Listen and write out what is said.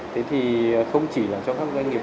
thế thì không chỉ là các doanh nghiệp